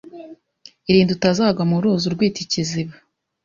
Irinde utazagwa mu ruzi urwita ikiziba